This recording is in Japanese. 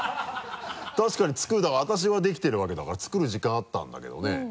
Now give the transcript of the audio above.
確かにだから私はできてるわけだから作る時間あったんだけどね。